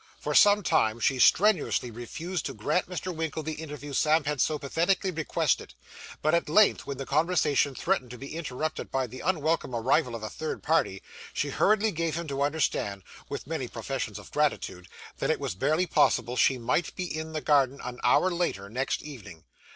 For some time she strenuously refused to grant Mr. Winkle the interview Sam had so pathetically requested; but at length, when the conversation threatened to be interrupted by the unwelcome arrival of a third party, she hurriedly gave him to understand, with many professions of gratitude, that it was barely possible she might be in the garden an hour later, next evening.